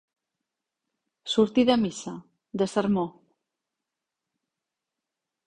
Sortir de missa, de sermó.